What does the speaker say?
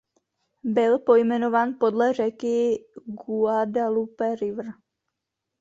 Byl pojmenován podle řeky Guadalupe River.